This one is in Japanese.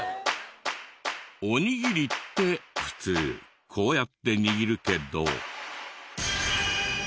おにぎりって普通こうやって握るけど。